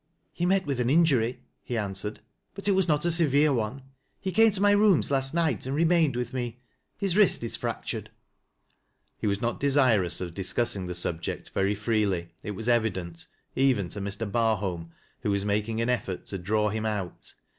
He met with an injury," he answered, " but it waa not a severe one. He came to my rooms last night and remained with me. His wrist is fractured." He was not desirous of discussing the subject vcr; freely, it was evident, even to Mr. Barholm, who was making an effort to draw him out.